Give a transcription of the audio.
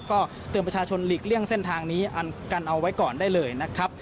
ก็เตือนประชาชนหลีกเลี่ยงเส้นทางนี้กันเอาไว้ก่อนได้เลยนะครับ